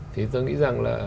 thì tôi nghĩ rằng là